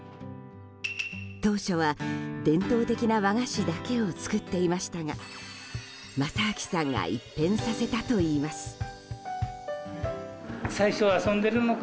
当初は伝統的な和菓子だけを作っていましたが正晃さんが一変させたといいます。